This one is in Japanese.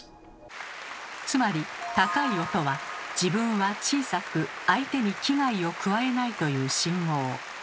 つまり高い音は自分は小さく相手に危害を加えないという信号。